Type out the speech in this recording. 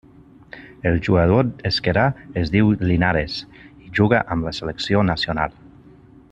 El jugador esquerrà es diu Linares i juga amb la selecció nacional.